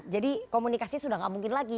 jadi komunikasi sudah enggak mungkin lagi